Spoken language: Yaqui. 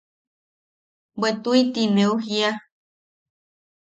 Bwe tuiti neu jia.